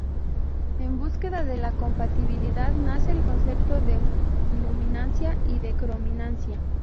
En búsqueda de la compatibilidad nace el concepto de luminancia y de crominancia.